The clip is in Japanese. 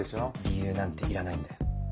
理由なんていらないんだよ。